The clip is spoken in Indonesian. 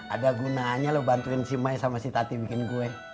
ada gunanya lo bantuin si mai sama si tati bikin kue